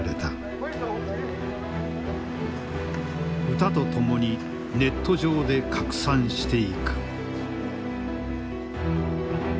歌と共にネット上で拡散していく。